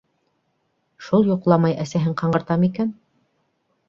Шул йоҡламай әсәһен ҡаңғырта микән?